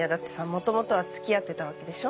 元々は付き合ってたわけでしょ？